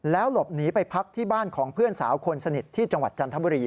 หลบหนีไปพักที่บ้านของเพื่อนสาวคนสนิทที่จังหวัดจันทบุรี